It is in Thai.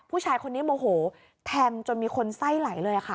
ผู้ชายคนนี้โมโหแทงจนมีคนไส้ไหลเลยค่ะ